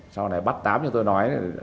sau này bắt tám như tôi nói